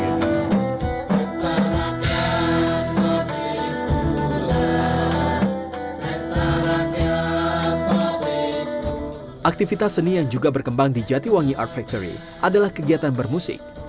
aktivitas seni yang juga berkembang di jatiwangi art factory adalah kegiatan bermusik